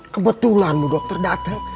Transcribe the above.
kebetulan dokter dateng